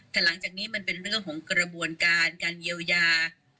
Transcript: แต่หลังจากนี้มันเป็นเรื่องของกระบวนการการเยียวยา